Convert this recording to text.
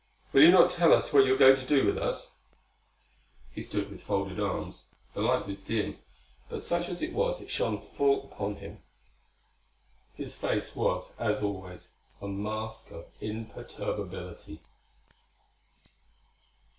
"Will you not tell us what you are going to do with us?" He stood with folded arms. The light was dim, but such as it was it shone full upon him. His face was, as always, a mask of imperturbability.